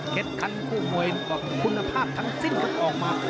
เคล็ดคันคู่มวยคุณภาพทั้งสิ้นก็ออกมา